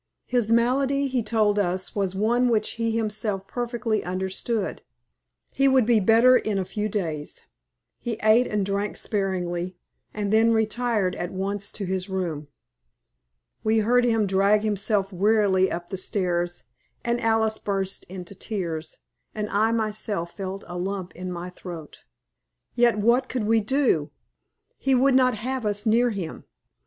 His malady, he told us, was one which he himself perfectly understood. He would be better in a few days. He ate and drank sparingly, and then retired at once to his room. We heard him drag himself wearily up the stairs, and Alice burst into tears, and I myself felt a lump in my throat. Yet what could we do? He would not have us near him.